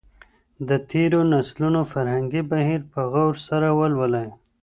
د تېرو نسلونو فکري بهير په غور سره ولولئ.